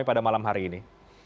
pada malam hari ini